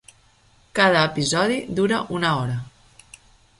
Cada episodi dura una hora.